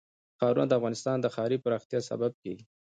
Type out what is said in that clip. ښارونه د افغانستان د ښاري پراختیا سبب کېږي.